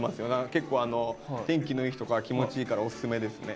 結構天気のいい日とか気持ちいいからおすすめですね。